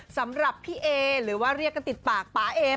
สำหรับพี่เอหรือว่าเรียกกันติดปากป๊าเอม